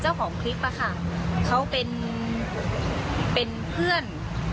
เป็นเพื่อน